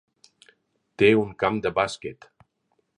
Té un "camp de bàsquet".